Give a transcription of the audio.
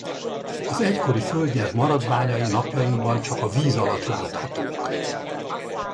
Az egykori földnyelv maradványai napjainkban csak a víz alatt láthatók.